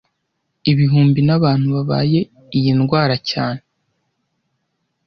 Ibihumbi n’abantu babaye iyi ndwara cyane